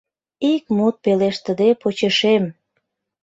Ик мут пелештыде почешем!